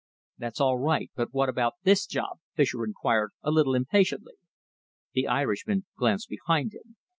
"That's all right, but what about this job?" Fischer inquired, a little impatiently. The Irishman glanced behind him.